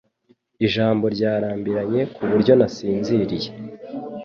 Ijambo ryarambiranye kuburyo nasinziriye.